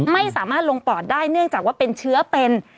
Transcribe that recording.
ไม่สามารถลงปอดได้เนื่องจากว่าเป็นเชื้อเป็น